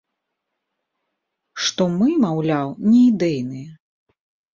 Што мы, маўляў, не ідэйныя.